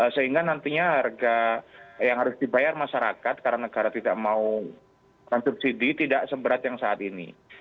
sehingga nantinya harga yang harus dibayar masyarakat karena negara tidak mau subsidi tidak seberat yang saat ini